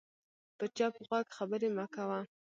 په چپ غوږ خبرې مه کوه